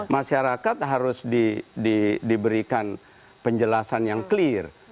masyarakat harus diberikan penjelasan yang clear